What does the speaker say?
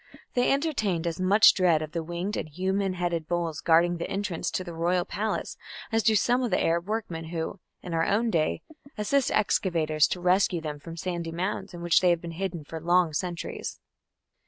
They entertained as much dread of the winged and human headed bulls guarding the entrance to the royal palace as do some of the Arab workmen who, in our own day, assist excavators to rescue them from sandy mounds in which they have been hidden for long centuries.